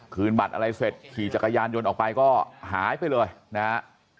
บัตรอะไรเสร็จขี่จักรยานยนต์ออกไปก็หายไปเลยนะฮะ